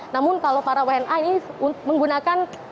namun kalau para wna ini menggunakan